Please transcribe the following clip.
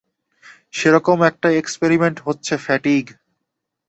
সেরকম একটা এক্সপেরিমেন্ট হচ্ছে ফ্যাটিগ।